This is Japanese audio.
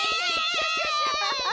クシャシャシャ！